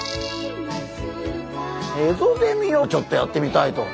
エゾゼミをちょっとやってみたいと。